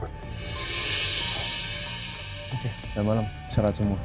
oke selamat malam sehat semua